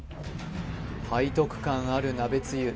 背徳感ある鍋つゆ